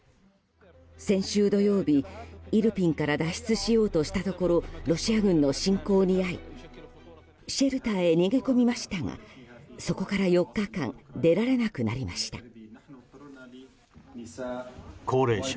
先週土曜日、イルピンから脱出しようとしたところロシア軍の侵攻に遭いシェルターに逃げ込みましたがそこから４日間出られなくなりました。